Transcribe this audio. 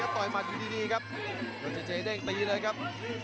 ต่อมันอยู่ดีกับยอดเจเจด้งตีเลยครับ